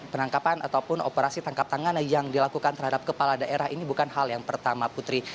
penangkapan ataupun operasi tangkap tangan yang dilakukan terhadap kepala daerah ini bukan hal yang pertama putri